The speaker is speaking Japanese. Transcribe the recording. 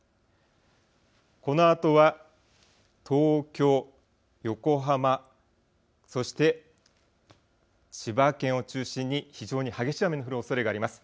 このあとは東京、横浜、そして千葉県を中心に非常に激しい雨の降るおそれがあります。